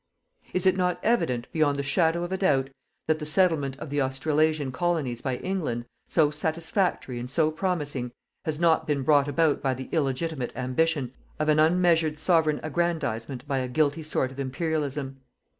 Is it not evident, beyond the shadow of a doubt, that the settlement of the Australasian colonies by England, so satisfactory and so promising, has not been brought about by the illegitimate ambition of an unmeasured Sovereign aggrandizement by a guilty sort of Imperialism.